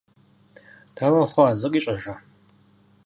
Дауэ хъуа, зыкъищӀэжа?